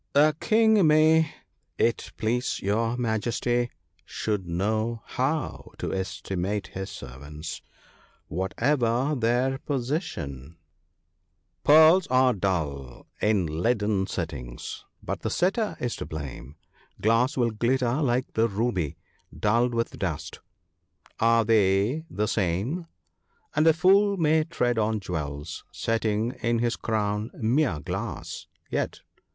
'A king, may it please your Majesty, should know how to estimate his servants, whatever their position, — THE PARTING OF FRIENDS. 6$ " Pearls are dull in leaden settings, but the setter is to blame ; Glass will glitter like the ruby, dulled with dust— are they the same ?"" And a fool may tread on jewels, setting in his crown mere glass ; Yet.